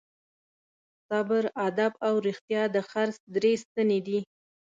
صبر، ادب او رښتیا د خرڅ درې ستنې دي.